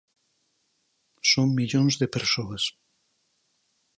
Son millóns de persoas.